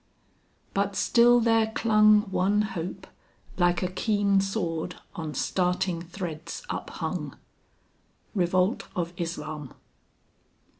"But still there clung One hope, like a keen sword on starting threads uphung." REVOLT OF ISLAM.